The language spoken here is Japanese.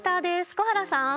小原さん。